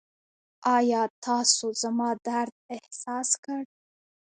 ایا تاسو زما درد احساس کړ؟